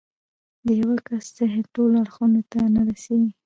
د يوه کس ذهن ټولو اړخونو ته نه رسېږي.